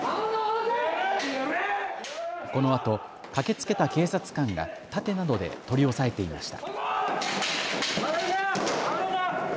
このあと駆けつけた警察官が盾などで取り押さえていました。